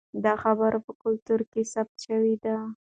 دا خبره په کلتور کې ثابته شوې ده.